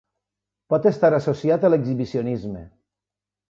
Pot estar associat a l'exhibicionisme.